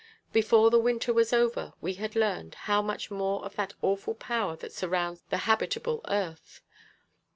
Before the winter was over we had learned how much more of that awful power that surrounds the habitable earth!